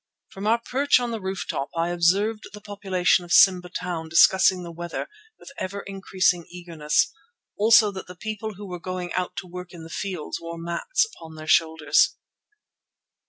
From our perch on the roof top I observed the population of Simba Town discussing the weather with ever increasing eagerness; also that the people who were going out to work in the fields wore mats over their shoulders.